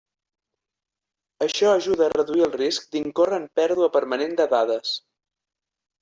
Això ajuda a reduir el risc d'incórrer en pèrdua permanent de dades.